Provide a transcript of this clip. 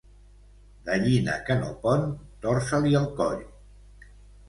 Gallina que no pon, torça-li el coll.